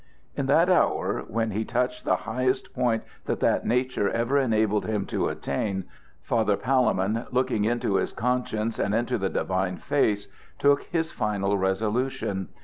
In that hour, when he touched the highest point that nature ever enabled him to attain, Father Palemon, looking into his conscience and into the divine face, took his final resolution.